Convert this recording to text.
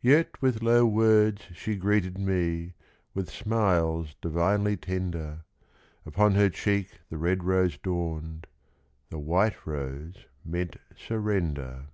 Yet with low words she greeted me, With smiles divinely tender; Upon her cheek the red rose dawned, The white rose meant surrender.